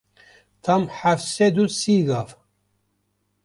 Tam heft sed û sî gav.